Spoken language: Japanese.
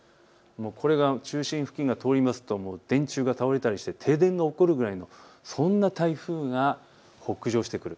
これが中心付近が通りますと電柱が倒れたりして停電が起こるぐらいのそんな台風が北上してくる。